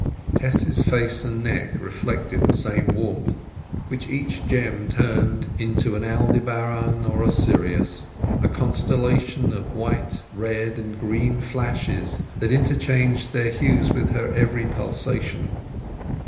Tess's face and neck reflected the same warmth, which each gem turned into an Aldebaran or a Sirius—a constellation of white, red, and green flashes, that interchanged their hues with her every pulsation.